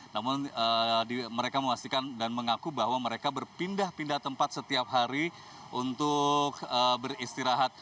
namun mereka memastikan dan mengaku bahwa mereka berpindah pindah tempat setiap hari untuk beristirahat